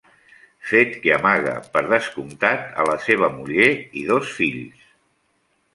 Fet que amaga, per descomptat, a la seva muller i dos fills.